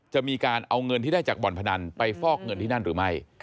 จะมีการเอาเงินที่ได้จากบ่อนพนันไปฟอกเงินที่นั่นหรือไม่